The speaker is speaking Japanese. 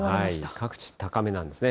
各地高めなんですね。